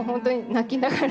泣きながら？